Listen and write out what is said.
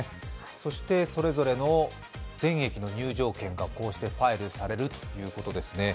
そして、それぞれの全駅の入場券がこうしてファイルされるということですね。